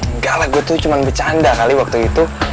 enggak lah gue tuh cuma bercanda kali waktu itu